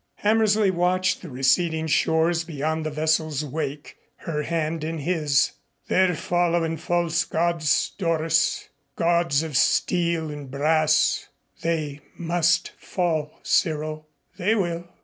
Hammersley watched the receding shores beyond the vessel's wake, her hand in his. "They're followin' false gods, Doris. Gods of steel and brass !" "They must fall, Cyril." "They will."